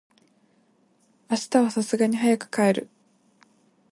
今日は流石に早く帰る。